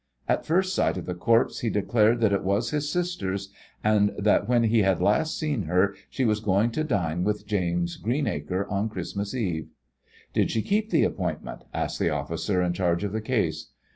At first sight of the corpse he declared that it was his sister's and that when he had last seen her she was going to dine with James Greenacre on Christmas Eve. "Did she keep that appointment?" asked the officer in charge of the case.